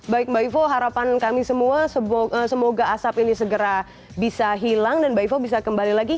baik mbak ivo harapan kami semua semoga asap ini segera bisa hilang dan mbak ivo bisa kembali lagi